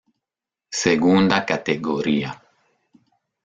Segunda categoría.